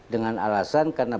dengan alasan karena